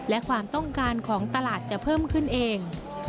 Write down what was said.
และความต้องการของตลาดจะเพิ่มขึ้นเอง